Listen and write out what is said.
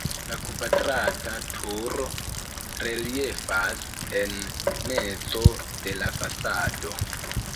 La kvadrata turo reliefas en mezo de la fasado.